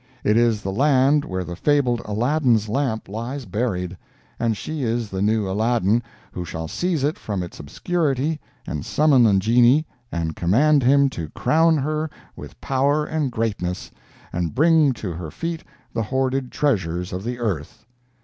It is the land where the fabled Aladdin's lamp lies buried—and she is the new Aladdin who shall seize it from its obscurity and summon the geni and command him to crown her with power and greatness, and bring to her feet the hoarded treasures of the earth!